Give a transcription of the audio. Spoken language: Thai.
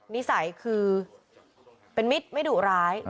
นิสัยคือเป็นมิตรไม่ดุร้าย